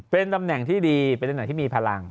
เป็นตำแหน่งที่ดีเป็นตำแหน่งที่มีพลัง